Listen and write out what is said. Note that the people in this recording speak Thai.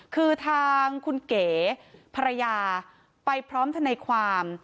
คือทางคุณเก๋ภรรยาไปพร้อมทนายความ